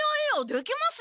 できます！